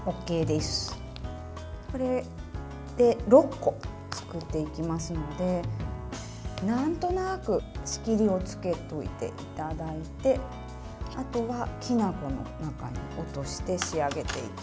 これで、６個作っていきますのでなんとなく仕切りをつけておいていただいてあとは、きな粉の中に落として仕上げていきます。